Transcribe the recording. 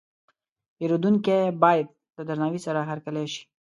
پیرودونکی باید له درناوي سره هرکلی شي.